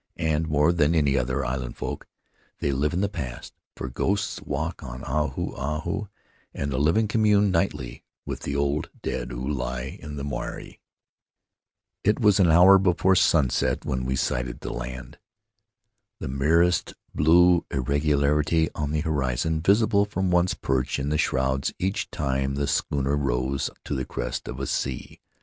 And, more than any other island folk, they live in the past, for Faery Lands of the South Seas ghosts walk on Ahu Ahu, and the living commune nightly with the old dead who he in the marae. It was an hour before sunset when we sighted the land — the merest blue irregularity on the horizon, visible from one's perch in the shrouds each time the schooner rose to the crest of a sea.